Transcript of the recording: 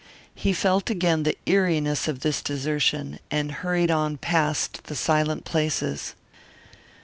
He felt again the eeriness of this desertion, and hurried on past the silent places.